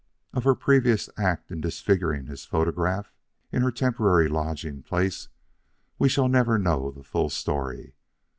Of her previous act in disfiguring his photograph in her temporary lodging place, we shall never know the full story.